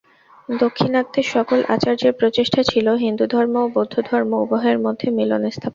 দাক্ষিণাত্যের সকল আচার্যের প্রচেষ্টা ছিল, হিন্দুধর্ম ও বৌদ্ধধর্ম উভয়ের মধ্যে মিলন স্থাপন।